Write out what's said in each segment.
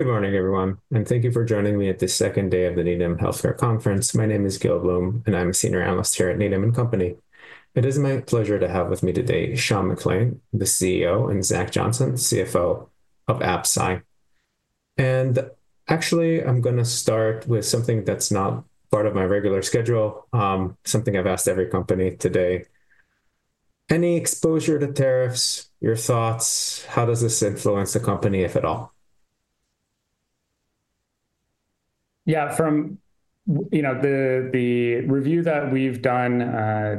Good morning, everyone, and thank you for joining me at the second day of the Needham Healthcare Conference. My name is Gil Blum, and I'm a Senior Analyst here at Needham & Company. It is my pleasure to have with me today Sean McClain, the CEO, and Zach Jonasson, CFO of Absci. Actually, I'm going to start with something that's not part of my regular schedule, something I've asked every company today. Any exposure to tariffs, your thoughts? How does this influence the company, if at all? Yeah, from the review that we've done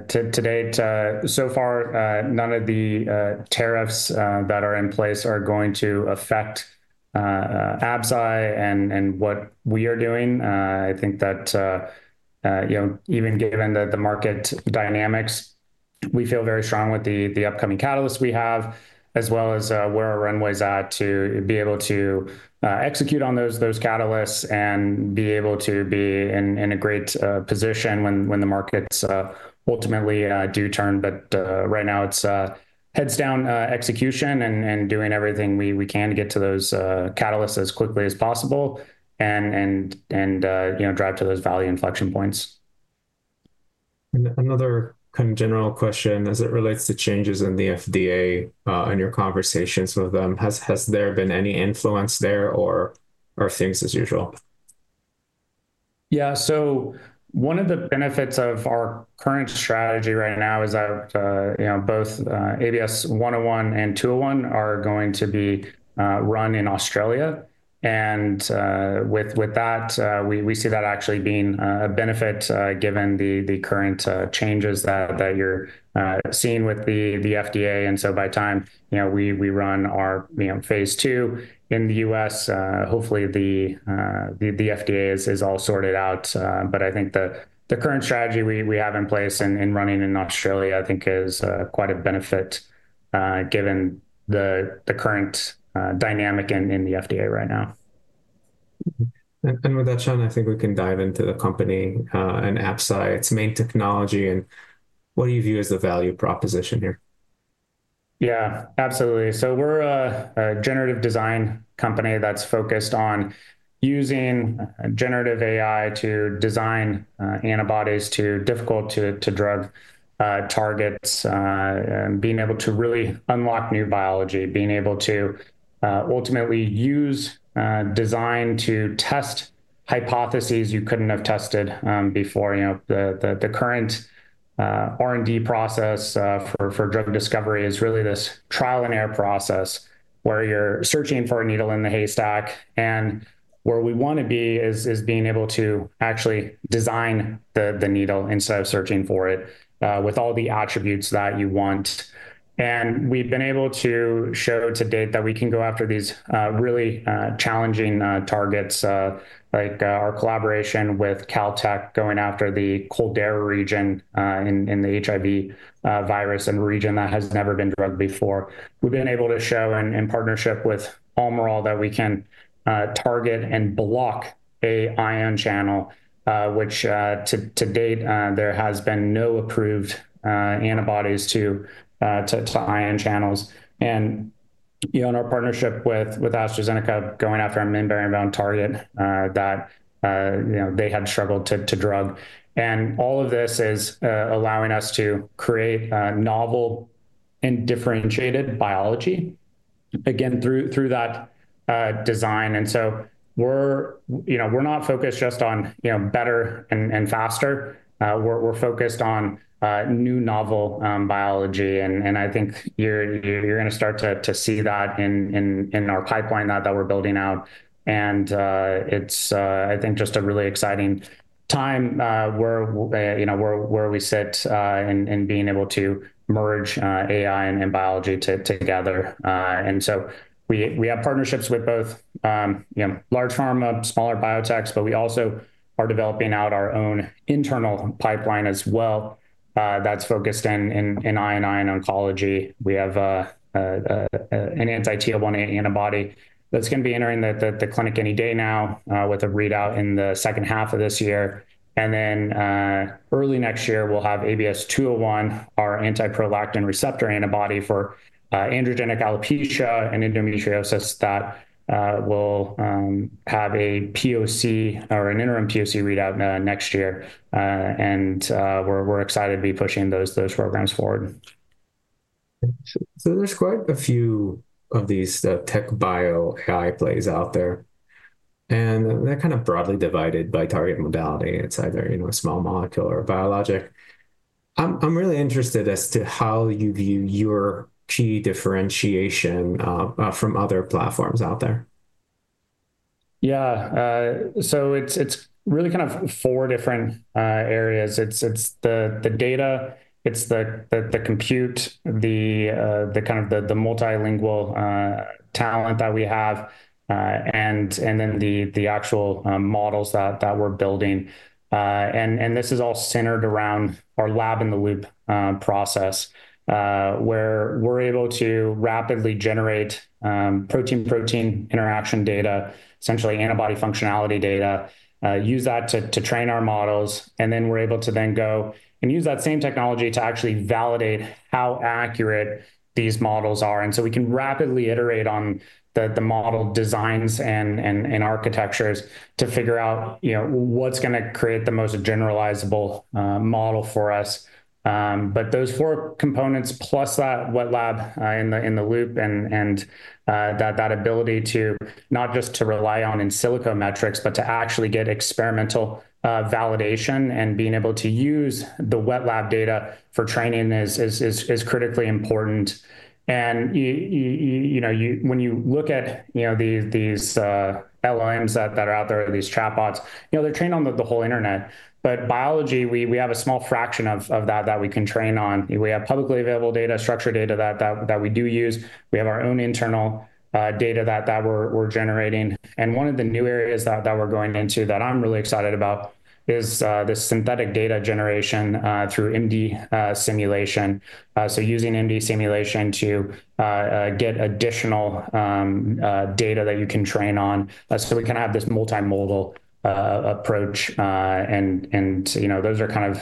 to date, so far, none of the tariffs that are in place are going to affect Absci and what we are doing. I think that, even given the market dynamics, we feel very strong with the upcoming catalysts we have, as well as where our runway's at to be able to execute on those catalysts and be able to be in a great position when the markets ultimately do turn. Right now, it's heads-down execution and doing everything we can to get to those catalysts as quickly as possible and drive to those value inflection points. Another kind of general question as it relates to changes in the FDA and your conversations with them. Has there been any influence there or are things as usual? Yeah, so one of the benefits of our current strategy right now is that both ABS-101 and 201 are going to be run in Australia. With that, we see that actually being a benefit given the current changes that you're seeing with the FDA. By the time we run our phase II in the U.S., hopefully the FDA is all sorted out. I think the current strategy we have in place and running in Australia, I think, is quite a benefit given the current dynamic in the FDA right now. With that, Sean, I think we can dive into the company and Absci, its main technology, and what do you view as the value proposition here? Yeah, absolutely. We are a generative design company that's focused on using generative AI to design antibodies to difficult-to-drug targets, being able to really unlock new biology, being able to ultimately use design to test hypotheses you couldn't have tested before. The current R&D process for drug discovery is really this trial-and-error process where you're searching for a needle in the haystack. Where we want to be is being able to actually design the needle instead of searching for it with all the attributes that you want. We've been able to show to date that we can go after these really challenging targets, like our collaboration with Caltech going after the Caldera region in the HIV virus, a region that has never been drugged before. We've been able to show in partnership with Almirall that we can target and block an ion channel, which to date, there has been no approved antibodies to ion channels. In our partnership with AstraZeneca going after a membrane-bound target that they had struggled to drug. All of this is allowing us to create novel and differentiated biology, again, through that design. We're not focused just on better and faster. We're focused on new novel biology. I think you're going to start to see that in our pipeline that we're building out. I think just a really exciting time where we sit in being able to merge AI and biology together. We have partnerships with both large pharma, smaller biotechs, but we also are developing out our own internal pipeline as well that's focused in I&I and oncology. We have an anti-TL1A antibody that's going to be entering the clinic any day now with a readout in the second half of this year. Early next year, we'll have ABS-201, our anti-prolactin receptor antibody for androgenic alopecia and endometriosis that will have a POC or an interim POC readout next year. We're excited to be pushing those programs forward. There are quite a few of these tech bio AI plays out there. They are kind of broadly divided by target modality. It is either a small molecule or biologic. I am really interested as to how you view your key differentiation from other platforms out there. Yeah, so it's really kind of four different areas. It's the data, it's the compute, the kind of multilingual talent that we have, and then the actual models that we're building. This is all centered around our lab-in-the-loop process where we're able to rapidly generate protein-protein interaction data, essentially antibody functionality data, use that to train our models. We are able to then go and use that same technology to actually validate how accurate these models are. We can rapidly iterate on the model designs and architectures to figure out what's going to create the most generalizable model for us. Those four components plus that wet lab in the loop and that ability to not just rely on in silico metrics, but to actually get experimental validation and being able to use the wet lab data for training is critically important. When you look at these LLMs that are out there, these chatbots, they're trained on the whole internet. Biology, we have a small fraction of that that we can train on. We have publicly available data, structured data that we do use. We have our own internal data that we're generating. One of the new areas that we're going into that I'm really excited about is the synthetic data generation through MD simulation. Using MD simulation to get additional data that you can train on so we can have this multimodal approach. Those are kind of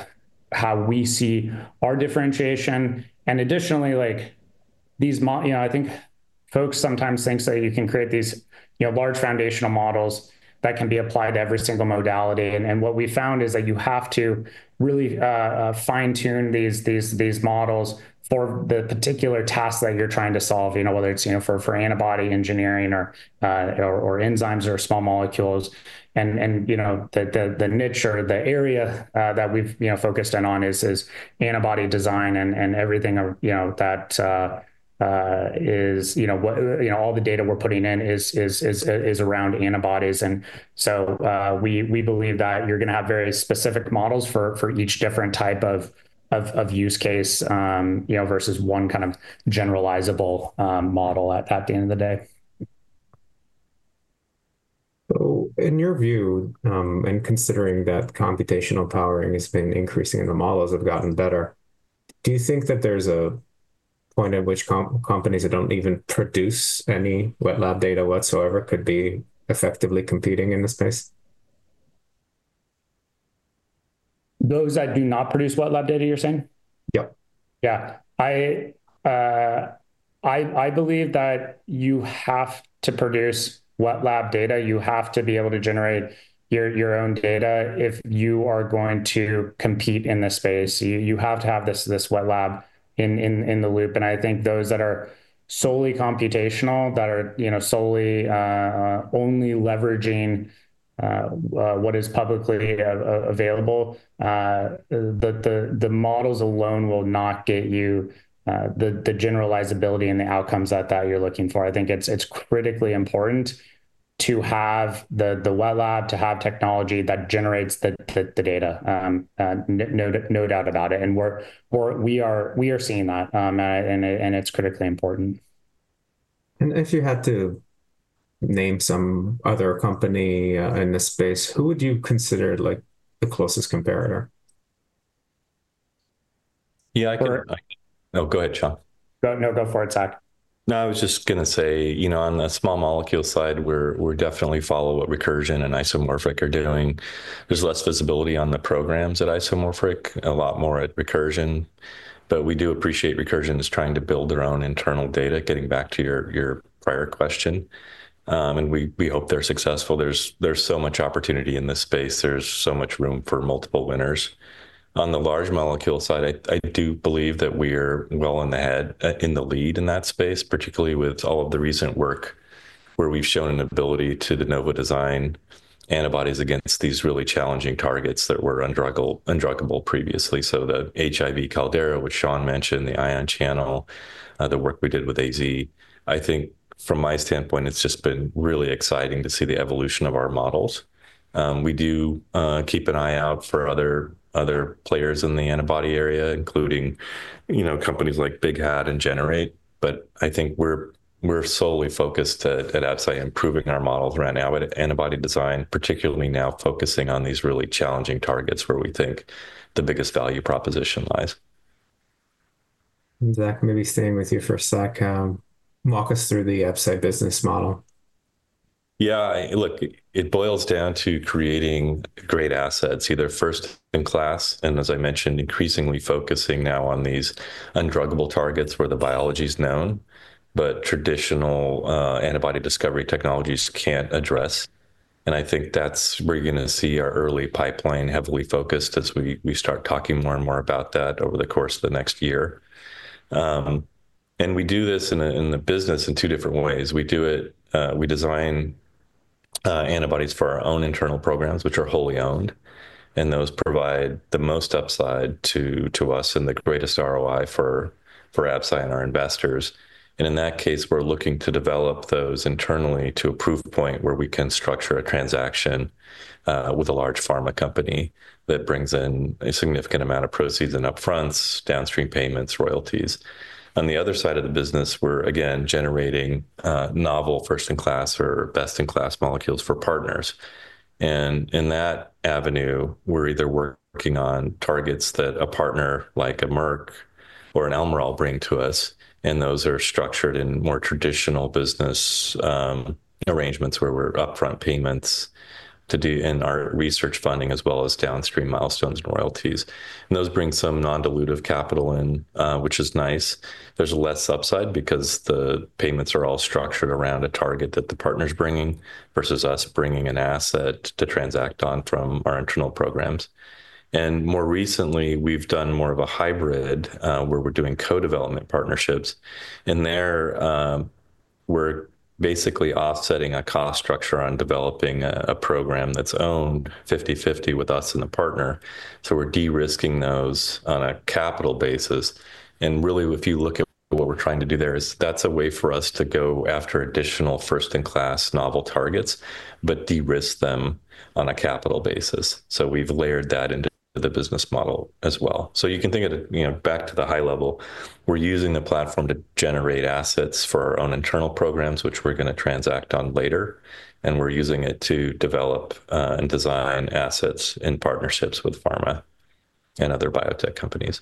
how we see our differentiation. Additionally, I think folks sometimes think that you can create these large foundational models that can be applied to every single modality. What we found is that you have to really fine-tune these models for the particular tasks that you're trying to solve, whether it's for antibody engineering or enzymes or small molecules. The niche or the area that we've focused in on is antibody design and everything that is all the data we're putting in is around antibodies. We believe that you're going to have very specific models for each different type of use case versus one kind of generalizable model at the end of the day. In your view, and considering that computational powering has been increasing and the models have gotten better, do you think that there's a point at which companies that don't even produce any wet lab data whatsoever could be effectively competing in this space? Those that do not produce wet lab data, you're saying? Yep. Yeah. I believe that you have to produce wet lab data. You have to be able to generate your own data if you are going to compete in this space. You have to have this wet lab in the loop. I think those that are solely computational, that are solely only leveraging what is publicly available, the models alone will not get you the generalizability and the outcomes that you're looking for. I think it's critically important to have the wet lab, to have technology that generates the data, no doubt about it. We are seeing that, and it's critically important. If you had to name some other company in this space, who would you consider the closest competitor? Yeah, I can. Oh, go ahead, Sean. No, go for it, Zach. No, I was just going to say, on the small molecule side, we're definitely following what Recursion and Isomorphic are doing. There's less visibility on the programs at Isomorphic, a lot more at Recursion. We do appreciate Recursion is trying to build their own internal data, getting back to your prior question. We hope they're successful. There's so much opportunity in this space. There's so much room for multiple winners. On the large molecule side, I do believe that we are well in the head, in the lead in that space, particularly with all of the recent work where we've shown an ability to de novo design antibodies against these really challenging targets that were undruggable previously. The HIV Caldera, which Sean mentioned, the ion channel, the work we did with AZ, I think from my standpoint, it's just been really exciting to see the evolution of our models. We do keep an eye out for other players in the antibody area, including companies like BigHat and Generate. I think we're solely focused at Absci on improving our models right now at antibody design, particularly now focusing on these really challenging targets where we think the biggest value proposition lies. Zach, maybe staying with you for a sec, walk us through the Absci business model. Yeah, look, it boils down to creating great assets, either first in class, and as I mentioned, increasingly focusing now on these undruggable targets where the biology is known, but traditional antibody discovery technologies can't address. I think that's where you're going to see our early pipeline heavily focused as we start talking more and more about that over the course of the next year. We do this in the business in two different ways. We design antibodies for our own internal programs, which are wholly owned. Those provide the most upside to us and the greatest ROI for Absci and our investors. In that case, we're looking to develop those internally to a proof point where we can structure a transaction with a large pharma company that brings in a significant amount of proceeds and upfronts, downstream payments, royalties. On the other side of the business, we're, again, generating novel first-in-class or best-in-class molecules for partners. In that avenue, we're either working on targets that a partner like a Merck or an Almirall bring to us. Those are structured in more traditional business arrangements where we're upfront payments to do in our research funding as well as downstream milestones and royalties. Those bring some non-dilutive capital in, which is nice. There's less upside because the payments are all structured around a target that the partner's bringing versus us bringing an asset to transact on from our internal programs. More recently, we've done more of a hybrid where we're doing co-development partnerships. There, we're basically offsetting a cost structure on developing a program that's owned 50/50 with us and the partner. We're de-risking those on a capital basis. If you look at what we're trying to do there, that's a way for us to go after additional first-in-class novel targets, but de-risk them on a capital basis. We have layered that into the business model as well. You can think of it back to the high level. We're using the platform to generate assets for our own internal programs, which we're going to transact on later. We're using it to develop and design assets in partnerships with pharma and other biotech companies.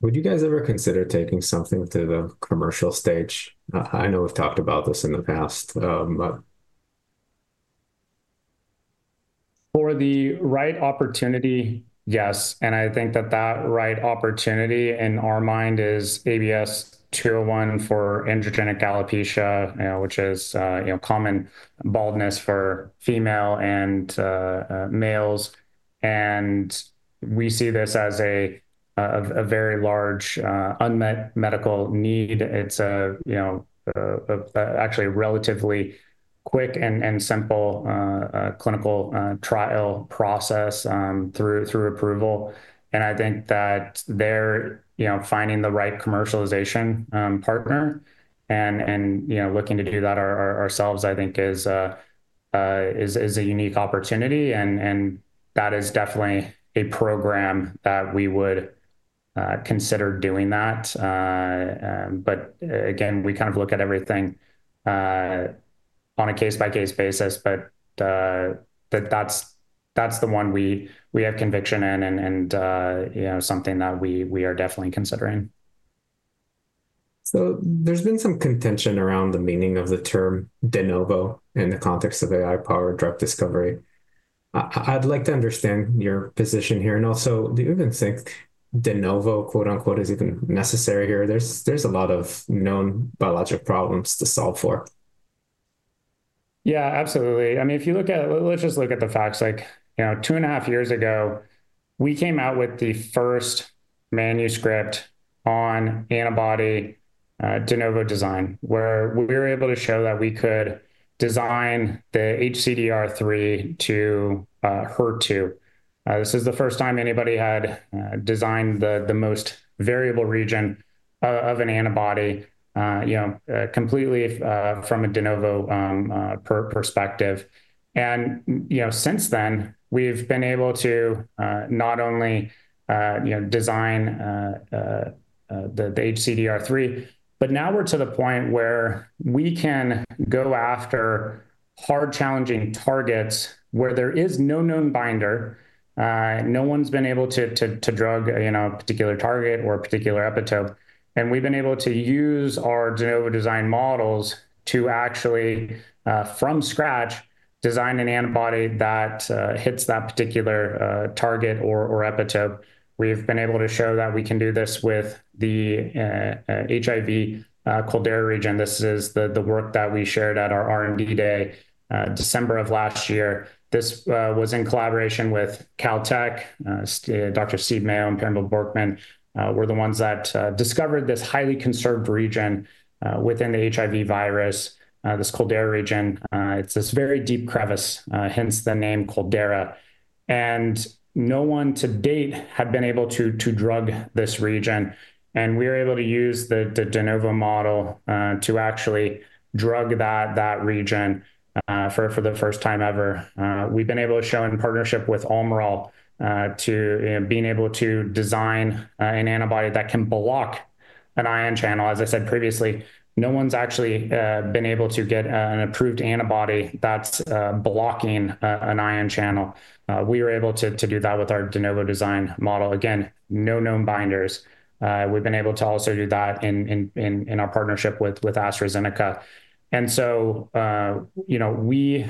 Would you guys ever consider taking something to the commercial stage? I know we've talked about this in the past. For the right opportunity, yes. I think that that right opportunity in our mind is ABS-201 for androgenic alopecia, which is common baldness for female and males. We see this as a very large unmet medical need. It's actually a relatively quick and simple clinical trial process through approval. I think that finding the right commercialization partner and looking to do that ourselves, I think, is a unique opportunity. That is definitely a program that we would consider doing that. Again, we kind of look at everything on a case-by-case basis. That's the one we have conviction in and something that we are definitely considering. There's been some contention around the meaning of the term de novo in the context of AI-powered drug discovery. I'd like to understand your position here. Also, do you even think de novo, quote-unquote, is even necessary here? There's a lot of known biologic problems to solve for. Yeah, absolutely. I mean, if you look at, let's just look at the facts. Two and a half years ago, we came out with the first manuscript on antibody de novo design, where we were able to show that we could design the HCDR3 to HER2. This is the first time anybody had designed the most variable region of an antibody completely from a de novo perspective. Since then, we've been able to not only design the HCDR3, but now we're to the point where we can go after hard challenging targets where there is no known binder. No one's been able to drug a particular target or a particular epitope. We've been able to use our de novo design models to actually, from scratch, design an antibody that hits that particular target or epitope. We've been able to show that we can do this with the HIV Caldera region. This is the work that we shared at our R&D Day December of last year. This was in collaboration with Caltech, Dr. Steve Mayo and Pamela Bjorkman. We're the ones that discovered this highly conserved region within the HIV virus, this Caldera region. It's this very deep crevice, hence the name Caldera. No one to date had been able to drug this region. We were able to use the de novo model to actually drug that region for the first time ever. We've been able to show in partnership with Almirall being able to design an antibody that can block an ion channel. As I said previously, no one's actually been able to get an approved antibody that's blocking an ion channel. We were able to do that with our de novo design model. Again, no known binders. We've been able to also do that in our partnership with AstraZeneca. We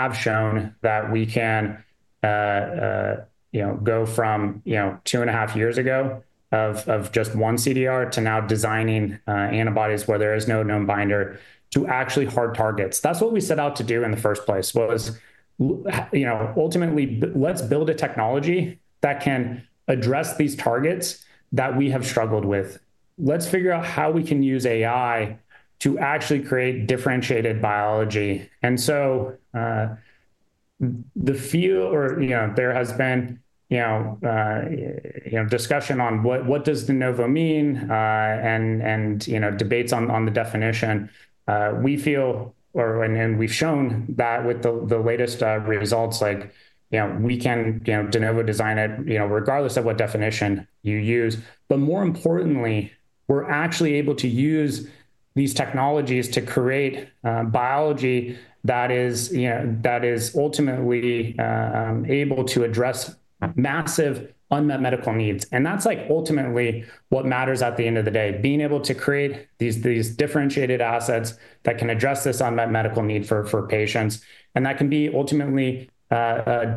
have shown that we can go from two and a half years ago of just one CDR to now designing antibodies where there is no known binder to actually hard targets. That is what we set out to do in the first place was ultimately, let's build a technology that can address these targets that we have struggled with. Let's figure out how we can use AI to actually create differentiated biology. The few, or there has been discussion on what does de novo mean and debates on the definition. We feel, and we've shown that with the latest results, we can de novo design it regardless of what definition you use. More importantly, we're actually able to use these technologies to create biology that is ultimately able to address massive unmet medical needs. That's ultimately what matters at the end of the day, being able to create these differentiated assets that can address this unmet medical need for patients. That can be ultimately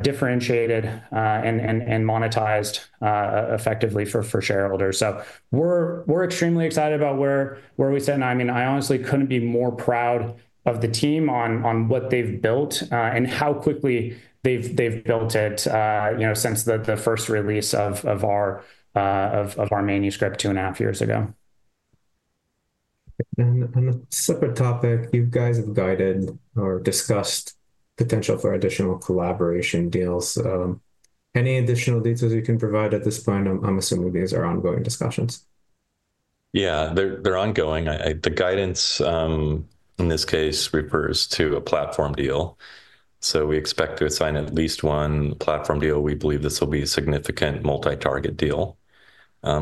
differentiated and monetized effectively for shareholders. We're extremely excited about where we stand. I mean, I honestly couldn't be more proud of the team on what they've built and how quickly they've built it since the first release of our manuscript two and a half years ago. On a separate topic, you guys have guided or discussed potential for additional collaboration deals. Any additional details you can provide at this point? I'm assuming these are ongoing discussions. Yeah, they're ongoing. The guidance in this case refers to a platform deal. We expect to assign at least one platform deal. We believe this will be a significant multi-target deal.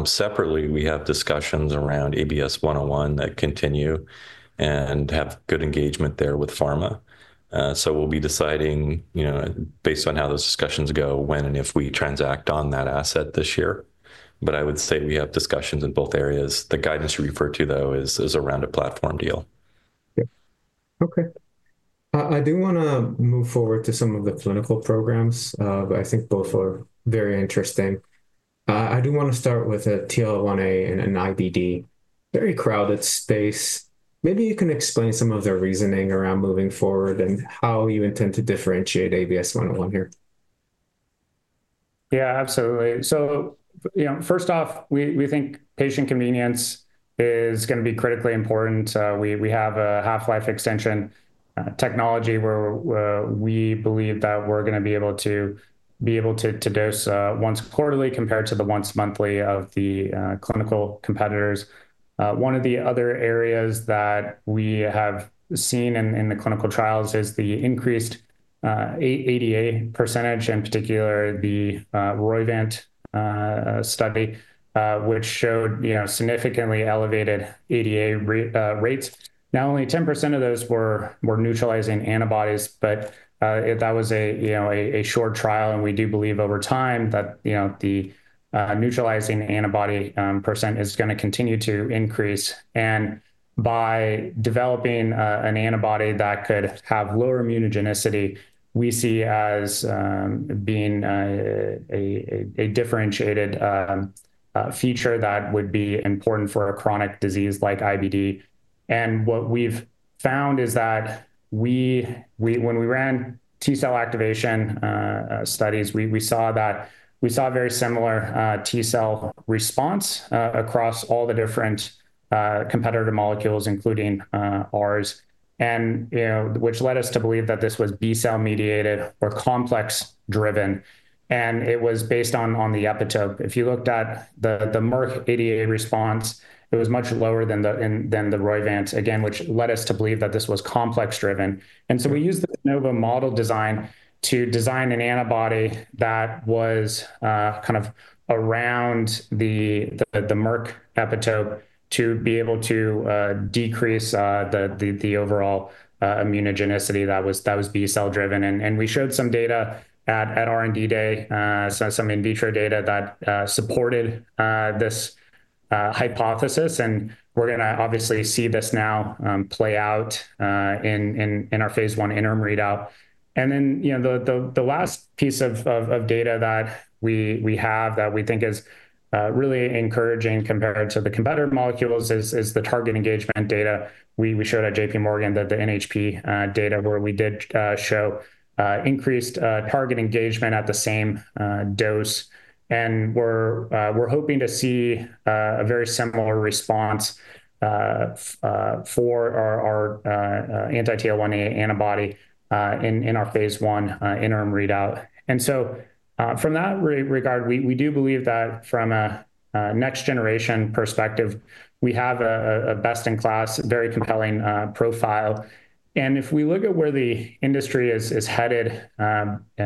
Separately, we have discussions around ABS-101 that continue and have good engagement there with pharma. We will be deciding based on how those discussions go, when and if we transact on that asset this year. I would say we have discussions in both areas. The guidance you refer to, though, is around a platform deal. Okay. I do want to move forward to some of the clinical programs. I think both are very interesting. I do want to start with a TL1A and an IBD, very crowded space. Maybe you can explain some of the reasoning around moving forward and how you intend to differentiate ABS-101 here. Yeah, absolutely. First off, we think patient convenience is going to be critically important. We have a half-life extension technology where we believe that we're going to be able to dose once quarterly compared to the once monthly of the clinical competitors. One of the other areas that we have seen in the clinical trials is the increased ADA percentage, in particular, the Roivant study, which showed significantly elevated ADA rates. Now, only 10% of those were neutralizing antibodies, but that was a short trial. We do believe over time that the neutralizing antibody percent is going to continue to increase. By developing an antibody that could have lower immunogenicity, we see as being a differentiated feature that would be important for a chronic disease like IBD. What we've found is that when we ran T-cell activation studies, we saw very similar T-cell response across all the different competitor molecules, including ours, which led us to believe that this was B-cell mediated or complex-driven. It was based on the epitope. If you looked at the Merck ADA response, it was much lower than the Roivant, again, which led us to believe that this was complex-driven. We used the de novo model design to design an antibody that was kind of around the Merck epitope to be able to decrease the overall immunogenicity that was B-cell driven. We showed some data at R&D Day, some in vitro data that supported this hypothesis. We're going to obviously see this now play out in our phase I interim readout. The last piece of data that we have that we think is really encouraging compared to the competitor molecules is the target engagement data. We showed at JPMorgan that the NHP data where we did show increased target engagement at the same dose. We are hoping to see a very similar response for our anti-TL1A antibody in our phase I interim readout. From that regard, we do believe that from a next-generation perspective, we have a best-in-class, very compelling profile. If we look at where the industry is headed,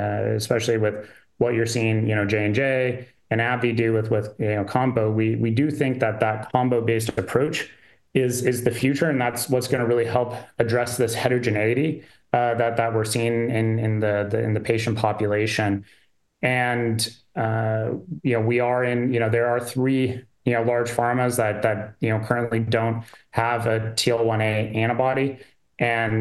especially with what you are seeing J&J and AbbVie do with combo, we do think that that combo-based approach is the future. That is what is going to really help address this heterogeneity that we are seeing in the patient population. We are in, there are three large pharmas that currently do not have a TL1A antibody. That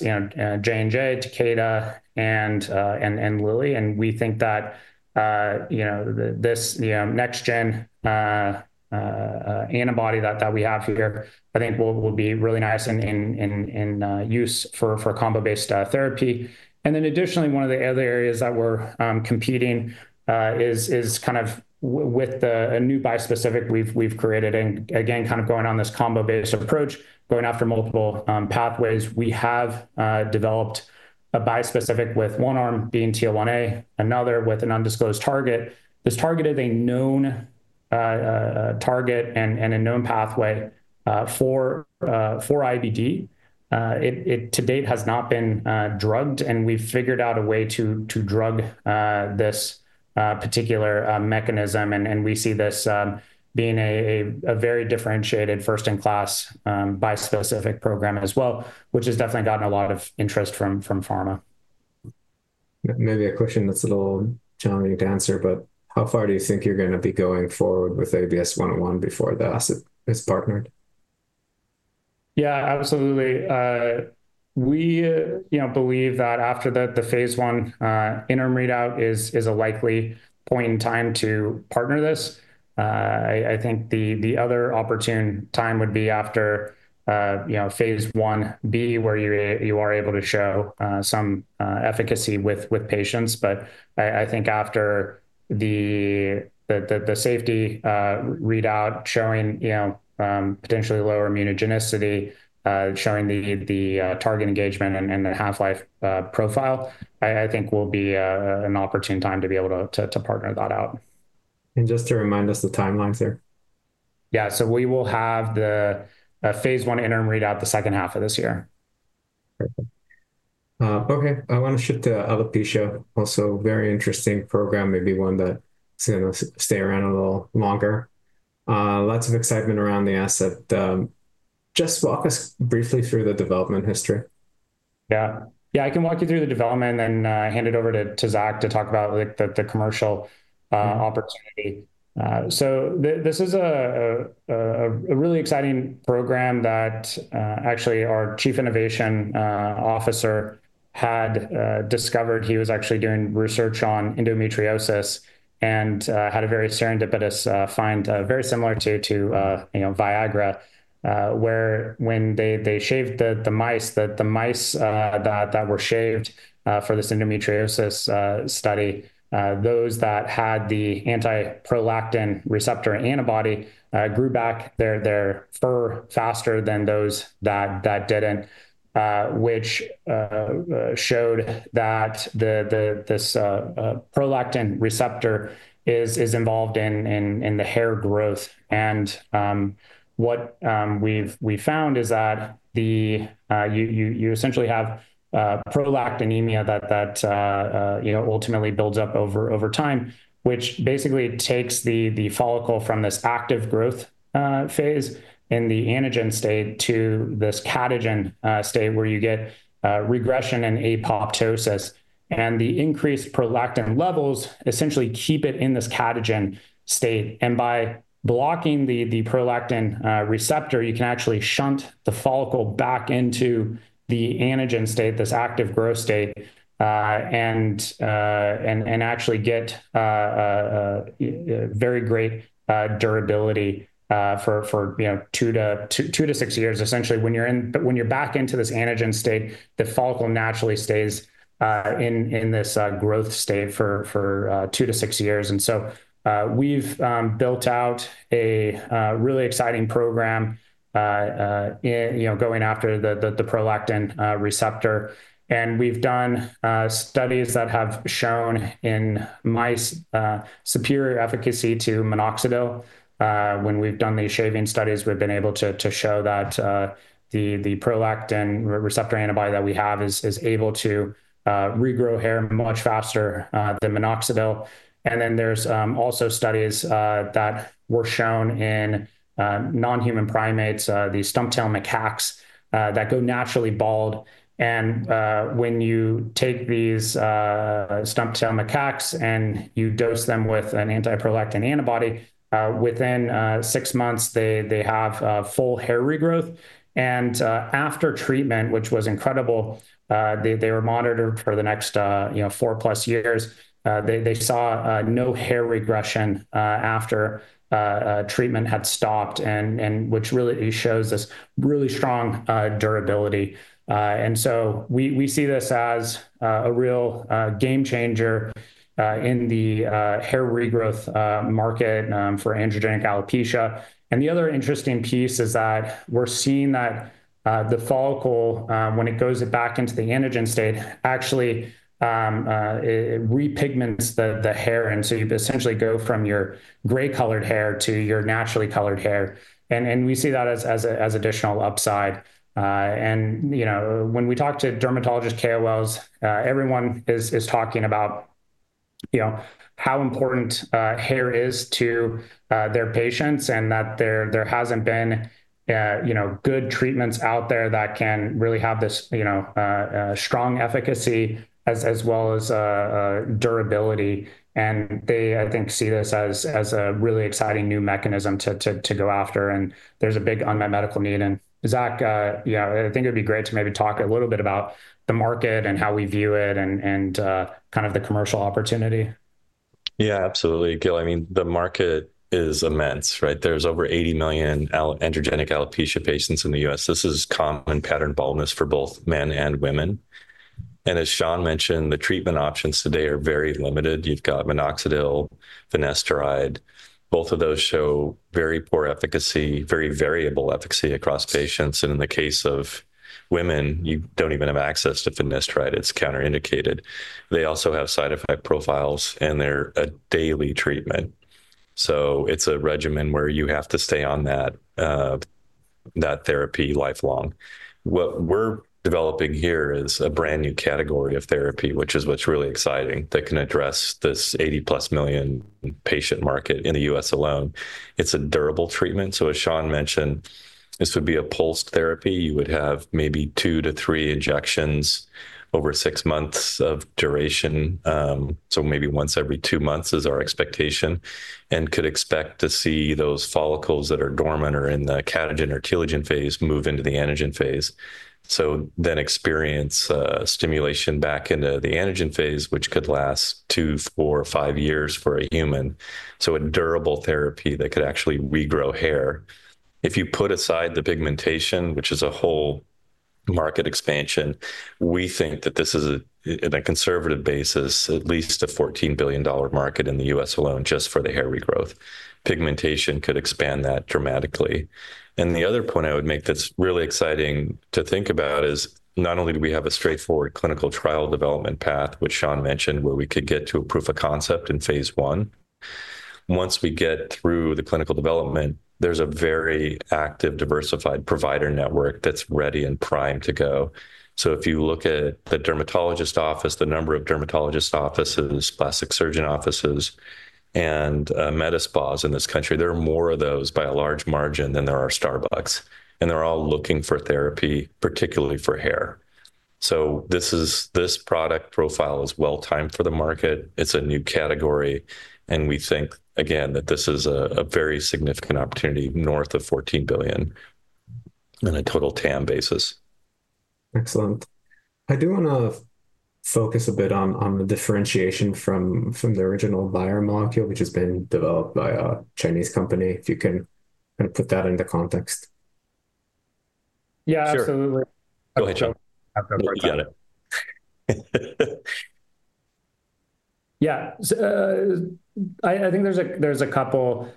is J&J, Takeda, and Lilly. We think that this next-gen antibody that we have here, I think will be really nice in use for combo-based therapy. Additionally, one of the other areas that we are competing is kind of with a new bispecific we have created. Again, kind of going on this combo-based approach, going after multiple pathways, we have developed a bispecific with one arm being TL1A, another with an undisclosed target. This target is a known target and a known pathway for IBD. It to date has not been drugged. We have figured out a way to drug this particular mechanism. We see this being a very differentiated first-in-class bispecific program as well, which has definitely gotten a lot of interest from pharma. Maybe a question that's a little challenging to answer, but how far do you think you're going to be going forward with ABS-101 before it's partnered? Yeah, absolutely. We believe that after the phase I interim readout is a likely point in time to partner this. I think the other opportune time would be after phase I-B, where you are able to show some efficacy with patients. I think after the safety readout showing potentially lower immunogenicity, showing the target engagement and the half-life profile, I think will be an opportune time to be able to partner that out. Just to remind us the timeline there. Yeah, so we will have the phase I interim readout the second half of this year. Okay. I want to shift to alopecia, also a very interesting program, maybe one that's going to stay around a little longer. Lots of excitement around the asset. Just walk us briefly through the development history. Yeah. Yeah, I can walk you through the development and then hand it over to Zach to talk about the commercial opportunity. This is a really exciting program that actually our Chief Innovation Officer had discovered. He was actually doing research on endometriosis and had a very serendipitous find, very similar to Viagra, where when they shaved the mice, the mice that were shaved for this endometriosis study, those that had the anti-prolactin receptor antibody grew back their fur faster than those that did not, which showed that this prolactin receptor is involved in the hair growth. What we found is that you essentially have prolactinemia that ultimately builds up over time, which basically takes the follicle from this active growth phase in the anagen state to this catagen state where you get regression and apoptosis. The increased prolactin levels essentially keep it in this catagen state. By blocking the prolactin receptor, you can actually shunt the follicle back into the anagen state, this active growth state, and actually get very great durability for two to six years. Essentially, when you're back into this anagen state, the follicle naturally stays in this growth state for two to six years. We have built out a really exciting program going after the prolactin receptor. We have done studies that have shown in mice superior efficacy to minoxidil. When we have done these shaving studies, we have been able to show that the prolactin receptor antibody that we have is able to regrow hair much faster than minoxidil. There are also studies that were shown in non-human primates, the stump-tailed macaques that go naturally bald. When you take these stump-tailed macaques and you dose them with an anti-prolactin antibody, within six months, they have full hair regrowth. After treatment, which was incredible, they were monitored for the next four plus years. They saw no hair regression after treatment had stopped, which really shows this really strong durability. We see this as a real game changer in the hair regrowth market for androgenic alopecia. The other interesting piece is that we're seeing that the follicle, when it goes back into the anagen state, actually repigments the hair. You essentially go from your gray-colored hair to your naturally colored hair. We see that as additional upside. When we talk to dermatologist KOLs, everyone is talking about how important hair is to their patients and that there hasn't been good treatments out there that can really have this strong efficacy as well as durability. They, I think, see this as a really exciting new mechanism to go after. There is a big unmet medical need. Zach, I think it'd be great to maybe talk a little bit about the market and how we view it and kind of the commercial opportunity. Yeah, absolutely. I mean, the market is immense, right? There are over 80 million androgenic alopecia patients in the U.S. This is common pattern baldness for both men and women. As Sean mentioned, the treatment options today are very limited. You have minoxidil, finasteride. Both of those show very poor efficacy, very variable efficacy across patients. In the case of women, you do not even have access to finasteride. It is counterindicated. They also have side effect profiles, and they are a daily treatment. It is a regimen where you have to stay on that therapy lifelong. What we are developing here is a brand new category of therapy, which is what is really exciting that can address this 80-plus million patient market in the U.S. alone. It is a durable treatment. As Sean mentioned, this would be a pulsed therapy. You would have maybe two to three injections over six months of duration. Maybe once every two months is our expectation. Could expect to see those follicles that are dormant or in the catagen or telogen phase move into the anagen phase. Experience stimulation back into the anagen phase, which could last two, four, five years for a human. A durable therapy that could actually regrow hair. If you put aside the pigmentation, which is a whole market expansion, we think that this is, on a conservative basis, at least a $14 billion market in the U.S. alone just for the hair regrowth. Pigmentation could expand that dramatically. The other point I would make that's really exciting to think about is not only do we have a straightforward clinical trial development path, which Sean mentioned, where we could get to a proof of concept in phase I. Once we get through the clinical development, there's a very active, diversified provider network that's ready and primed to go. If you look at the dermatologist office, the number of dermatologist offices, plastic surgeon offices, and med spas in this country, there are more of those by a large margin than there are Starbucks. They're all looking for therapy, particularly for hair. This product profile is well-timed for the market. It's a new category. We think, again, that this is a very significant opportunity north of $14 billion on a total TAM basis. Excellent. I do want to focus a bit on the differentiation from the original biomolecule, which has been developed by a Chinese company. If you can kind of put that into context. Yeah, absolutely. Go ahead, Sean. You got it. Yeah, I think there's a couple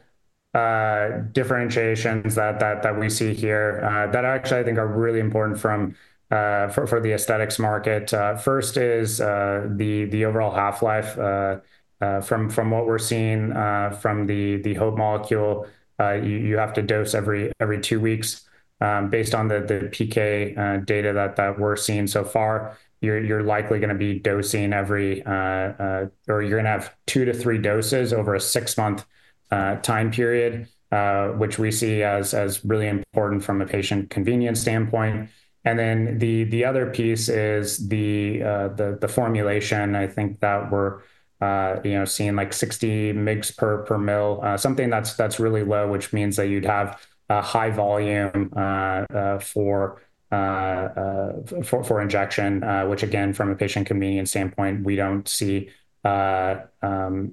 differentiations that we see here that actually, I think, are really important for the aesthetics market. First is the overall half-life. From what we're seeing from the Hope molecule, you have to dose every two weeks. Based on the PK data that we're seeing so far, you're likely going to be dosing every or you're going to have two to three doses over a six-month time period, which we see as really important from a patient convenience standpoint. The other piece is the formulation. I think that we're seeing like 60 mg per ml, something that's really low, which means that you'd have a high volume for injection, which, again, from a patient convenience standpoint, we don't see being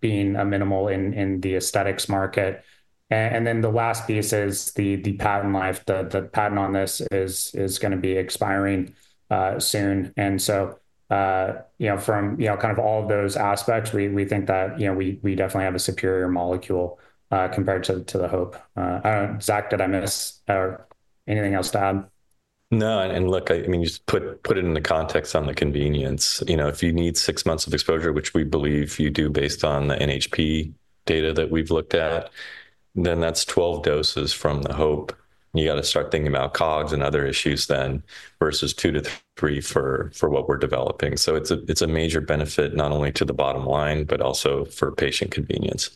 minimal in the aesthetics market. The last piece is the patent life. The patent on this is going to be expiring soon. From kind of all of those aspects, we think that we definitely have a superior molecule compared to the Hope. Zach, did I miss anything else to add? No. And look, I mean, just put it into context on the convenience. If you need six months of exposure, which we believe you do based on the NHP data that we've looked at, then that's 12 doses from the Hope. You got to start thinking about COGS and other issues then versus two to three for what we're developing. It is a major benefit not only to the bottom line, but also for patient convenience.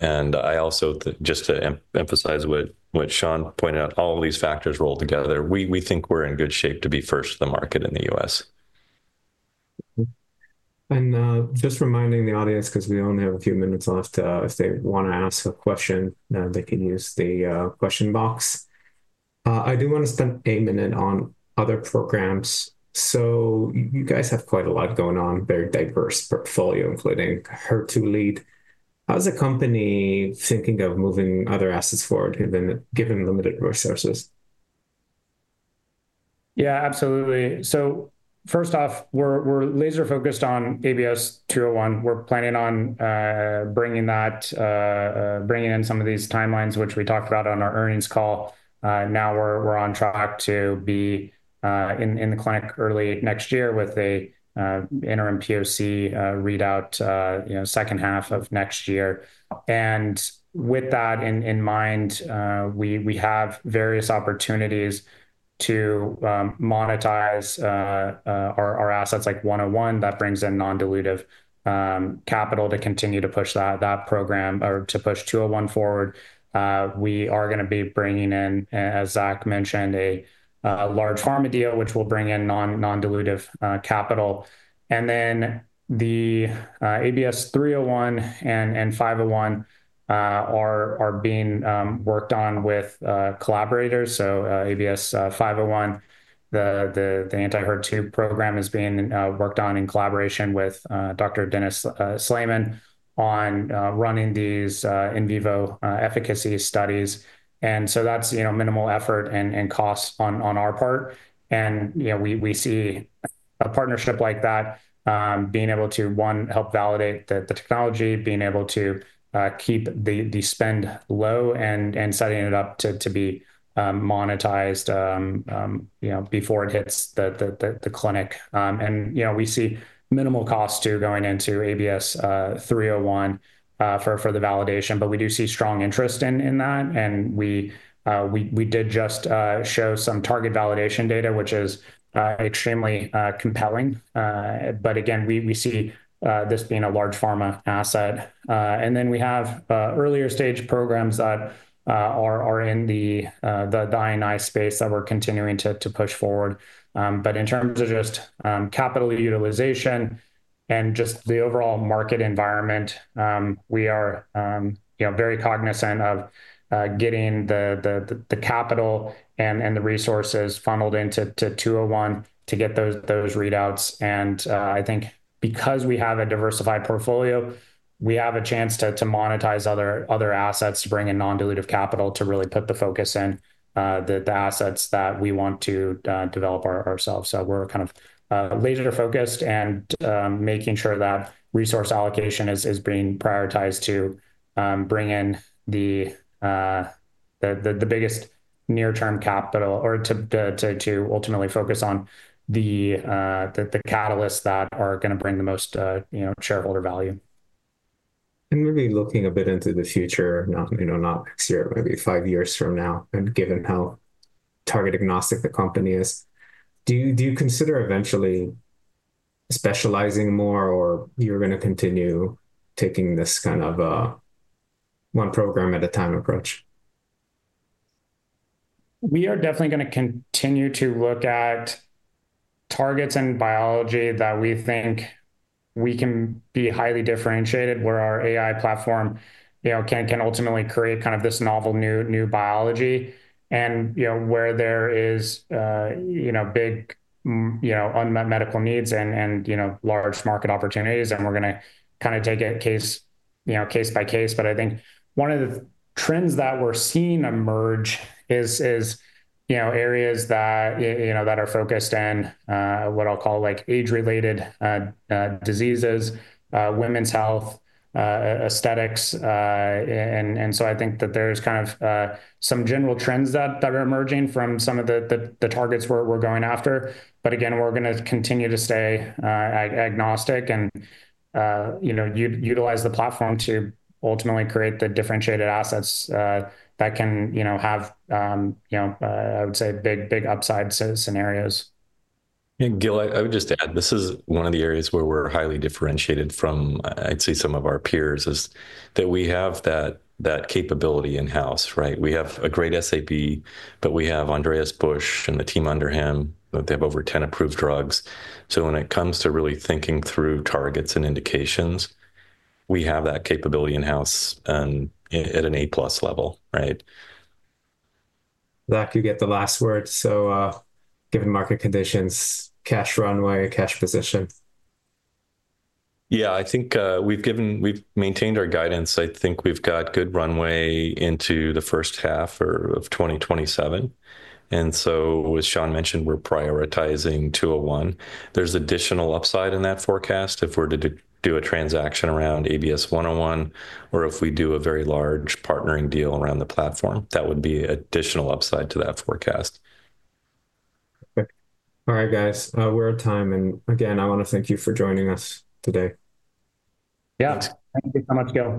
I also, just to emphasize what Sean pointed out, all of these factors roll together. We think we're in good shape to be first of the market in the U.S. Just reminding the audience, because we only have a few minutes left, if they want to ask a question, they can use the question box. I do want to spend a minute on other programs. You guys have quite a lot going on, very diverse portfolio, including HER2 lead. How's the company thinking of moving other assets forward given limited resources? Yeah, absolutely. First off, we're laser-focused on ABS-201. We're planning on bringing in some of these timelines, which we talked about on our earnings call. Now we're on track to be in the clinic early next year with an interim POC readout second half of next year. With that in mind, we have various opportunities to monetize our assets like 101 that brings in non-dilutive capital to continue to push that program or to push 201 forward. We are going to be bringing in, as Zach mentioned, a large pharma deal, which will bring in non-dilutive capital. The ABS-301 and 501 are being worked on with collaborators. ABS-501, the anti-HER2 program, is being worked on in collaboration with Dr. Dennis Slamon on running these in vivo efficacy studies. That is minimal effort and cost on our part. We see a partnership like that being able to, one, help validate the technology, being able to keep the spend low, and setting it up to be monetized before it hits the clinic. We see minimal cost too going into ABS-301 for the validation. We do see strong interest in that. We did just show some target validation data, which is extremely compelling. Again, we see this being a large pharma asset. We have earlier stage programs that are in the I&I space that we're continuing to push forward. In terms of just capital utilization and just the overall market environment, we are very cognizant of getting the capital and the resources funneled into 201 to get those readouts. I think because we have a diversified portfolio, we have a chance to monetize other assets, to bring in non-dilutive capital to really put the focus in the assets that we want to develop ourselves. We are kind of laser-focused and making sure that resource allocation is being prioritized to bring in the biggest near-term capital or to ultimately focus on the catalysts that are going to bring the most shareholder value. Maybe looking a bit into the future, not next year, maybe five years from now, and given how target-agnostic the company is, do you consider eventually specializing more or you're going to continue taking this kind of one program at a time approach? We are definitely going to continue to look at targets in biology that we think we can be highly differentiated, where our AI platform can ultimately create kind of this novel new biology, and where there is big unmet medical needs and large market opportunities. We are going to kind of take it case by case. I think one of the trends that we're seeing emerge is areas that are focused in what I'll call age-related diseases, women's health, aesthetics. I think that there's kind of some general trends that are emerging from some of the targets we're going after. We are going to continue to stay agnostic and utilize the platform to ultimately create the differentiated assets that can have, I would say, big upside scenarios. Gil, I would just add, this is one of the areas where we're highly differentiated from, I'd say, some of our peers, is that we have that capability in-house, right? We have a great SAB, but we have Andreas Busch and the team under him. They have over 10 approved drugs. So when it comes to really thinking through targets and indications, we have that capability in-house at an A-plus level, right? Zach, you get the last word. Given market conditions, cash runway, cash position? Yeah, I think we've maintained our guidance. I think we've got good runway into the first half of 2027. As Sean mentioned, we're prioritizing 201. There's additional upside in that forecast if we're to do a transaction around ABS-101 or if we do a very large partnering deal around the platform. That would be additional upside to that forecast. Okay. All right, guys. We're at time. Again, I want to thank you for joining us today. Yeah, thank you so much, Gil.